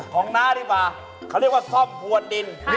ของหน้าดิบ่าเขาเรียกว่าซ่อมหัวดิน